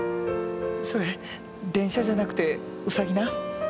それ電車じゃなくてウサギな。